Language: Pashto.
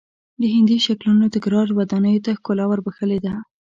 د هندسي شکلونو تکرار ودانیو ته ښکلا ور بخښلې ده.